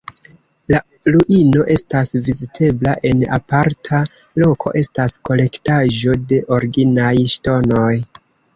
La ruino estas vizitebla, en aparta loko estas kolektaĵo de originaj ŝtonoj.